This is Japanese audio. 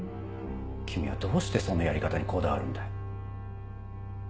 君はどうしてそのやり方にこだわるんだ？